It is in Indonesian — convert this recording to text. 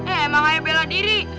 emang aya bela diri